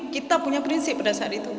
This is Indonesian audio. kita punya prinsip pada saat itu